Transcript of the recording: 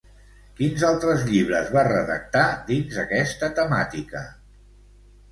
Quins altres llibres va redactar dins aquesta temàtica?